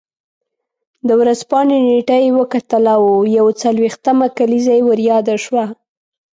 د ورځپاڼې نېټه یې وکتله او یو څلوېښتمه کلیزه یې ور یاده شوه.